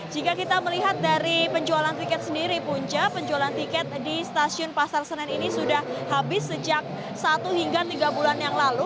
jika kita melihat dari penjualan tiket sendiri punca penjualan tiket di stasiun pasar senen ini sudah habis sejak satu hingga tiga bulan yang lalu